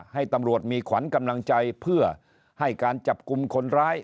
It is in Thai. ให้ตำรวจมีขวัญกำลังใจเพื่อให้การจับกลุ่มคนร้าย